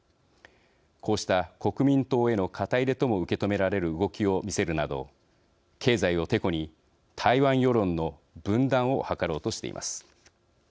こうした国民党への肩入れとも受け止められる動きを見せるなど経済をてこに台湾世論の分断を図ろうとしています。